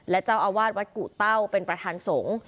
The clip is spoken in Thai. และเจ้าอาวาสวัดกุเต้าเป็นประธานสงฆ์